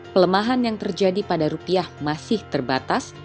pelemahan yang terjadi pada rupiah masih terbatas